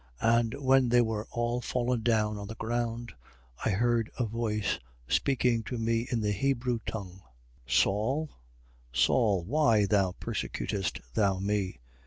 26:14. And when we were all fallen down on the ground, I heard a voice speaking to me in the Hebrew tongue: Saul, Saul, why persecutest thou me?